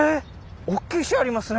⁉おっきい石ありますね